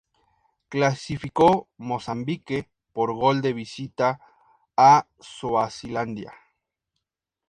Clasificó Mozambique por gol de visita a Suazilandia.